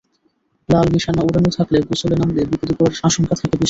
লাল নিশানা ওড়ানো থাকলে গোসলে নামলে বিপদে পড়ার আশঙ্কা থাকে বেশি।